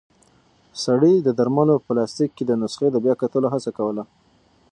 سړی د درملو په پلاستیک کې د نسخې د بیا کتلو هڅه کوله.